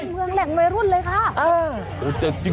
เมืองแหล่งวัยรุ่นเลยค่ะ